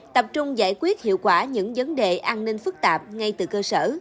tập trung giải quyết hiệu quả những vấn đề an ninh phức tạp ngay từ cơ sở